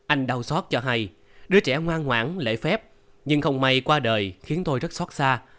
anh đau xót cho hay đứa trẻ ngoan ngoãn lễ phép nhưng không may qua đời khiến tôi rất xót xa